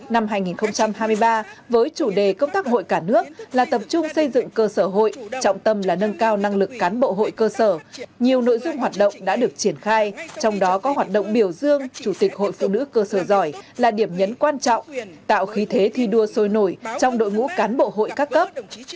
năm hai nghìn hai mươi ba với chủ đề công tác hội cả nước là tập trung xây dựng cơ sở hội trọng tâm là nâng cao năng lực cán bộ hội cơ sở nhiều nội dung hoạt động đã được triển khai trong đó có hoạt động biểu dương chủ tịch hội phụ nữ cơ sở giỏi là điểm nhấn quan trọng tạo khí thế thi đua sôi nổi trong đội ngũ cán bộ hội các cấp